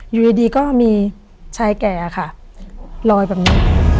อยู่ดีก็มีชายแก่ค่ะลอยแบบนี้